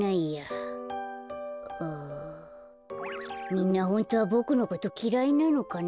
みんなホントはボクのこときらいなのかな。